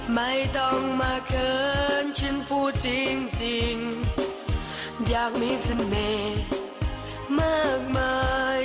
ไม่ต้องมาเขินฉันพูดจริงอยากมีเสน่ห์มากมาย